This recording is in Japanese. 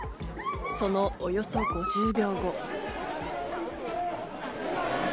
そのおよそ５０秒。